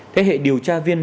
thế hệ điều tra viên